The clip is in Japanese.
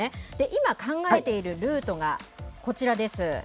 今、考えているルートがこちらです。